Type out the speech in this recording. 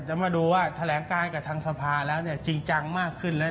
จะมาดูว่าแถลงการกับทางสภาแล้วเนี่ยจริงจังมากขึ้นแล้ว